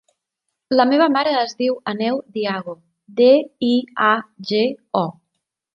La meva mare es diu Aneu Diago: de, i, a, ge, o.